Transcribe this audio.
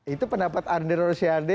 itu pendapat andre rosiade